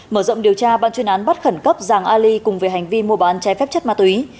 mở rộng điều tra ban chuyên án bắt khẩn cấp giàng ali cùng về hành vi mua bán trái phép chất ma túy